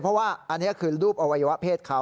เพราะว่าอันนี้คือรูปอวัยวะเพศเขา